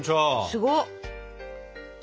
すごっ！